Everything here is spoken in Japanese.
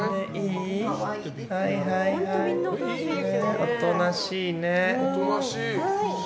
おとなしいね。